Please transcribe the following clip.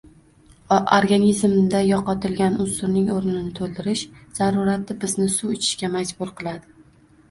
Organizmda yo‘qotilgan unsurning o‘rnini to‘ldirish zarurati bizni suv ichishga majbur qiladi